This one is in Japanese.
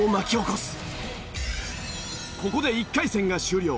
ここで１回戦が終了。